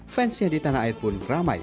fansnya di tanah air pun ramai